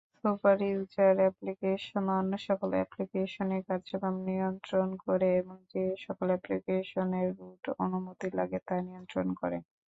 Super user application অন্য সকল অ্যাপ্লিকেশনের কার্যক্রম নিয়ন্ত্রণ করে এবং যে সকল অ্যাপ্লিকেশনের রুট অনুমতি লাগে তা নিয়ন্ত্রণ করে।